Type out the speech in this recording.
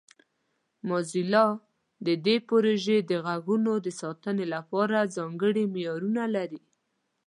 موزیلا د دې پروژې د غږونو د ساتنې لپاره ځانګړي معیارونه لري.